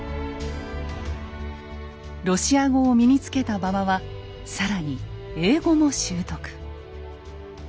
ロシア語を身につけた馬場は更に英語も習得。